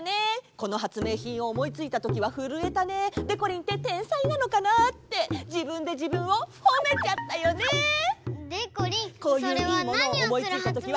このはつめいひんをおもいついたときはふるえたね！でこりんっててんさいなのかなってじぶんでじぶんをほめちゃったよね！でこりんそれはなにをするはつめいひんなの？